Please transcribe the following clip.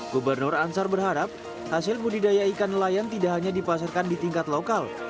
gubernur ansar berharap hasil budidaya ikan nelayan tidak hanya dipasarkan di tingkat lokal